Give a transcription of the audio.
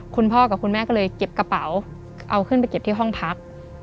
คุณพ่อกับคุณแม่ก็เลยเก็บกระเป๋าเอาขึ้นไปเก็บที่ห้องพัก